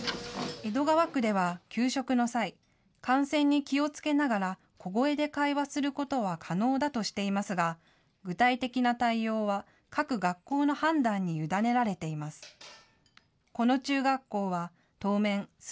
江戸川区では給食の際、感染に気をつけながら小声で会話することは可能だとしていますが具体的な対応は各学校の判断に委ねられています。